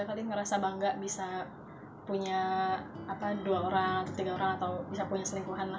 paling ngerasa bangga bisa punya dua orang atau tiga orang atau bisa punya selingkuhan lah